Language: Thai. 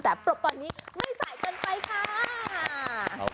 แต่ปรบตอนนี้ไม่สายเกินไปค่ะ